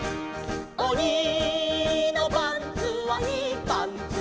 「おにのパンツはいいパンツ」